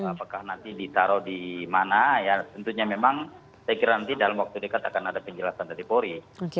apakah nanti ditaruh di mana ya tentunya memang saya kira nanti dalam waktu dekat akan ada penjelasan dari polri